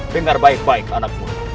dengar baik baik anakmu